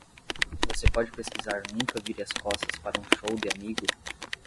Você pode pesquisar Nunca vire as costas para um show de amigo?